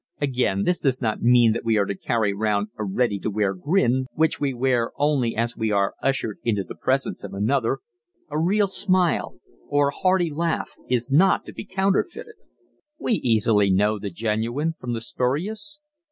Again, this does not mean that we are to carry round a ready to wear grin which we wear only as we are ushered into the presence of another. A real smile, or a hearty laugh, is not to be counterfeited. We easily know the genuine from the spurious.